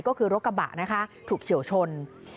ก็คือรถกระบะนะคะถูกเฉียวชน